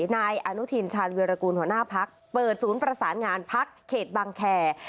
นายอนุทินชาญวิรากูลหัวหน้าพักเปิดศูนย์ประสานงานพักเขตบังแคร์